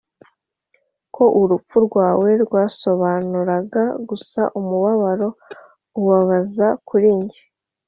ko urupfu rwawe rwasobanuraga gusa umubabaro ubabaza kuri njye;